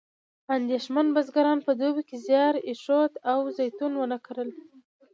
اندېښمن بزګران په دوبي کې زیار ایښود او زیتون ونه کرله.